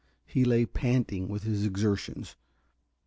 He lay panting with his exertions.